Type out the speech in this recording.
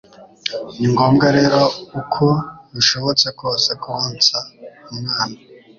Ni ngombwa rero uko bishobotse kose konsa umwana